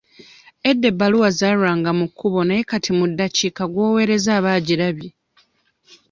Edda ebbaluwa zaalwanga mu kkubo naye kati mu ddakiika gw'owereza aba agirabye.